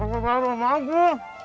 aku baru maju